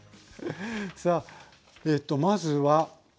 さあええとまずは。